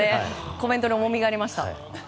コメントに重みがありましたね。